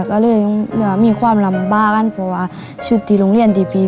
ก็เลยมีความลำบากกันเพราะว่าชุดที่โรงเรียนที่พี่